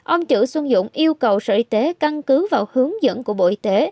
ông chữ xuân dũng yêu cầu sở y tế căn cứ vào hướng dẫn của bộ y tế